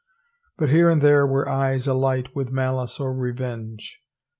But here and there were eyes alight with malice or revenge.